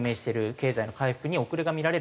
経済の回復に遅れが見られる。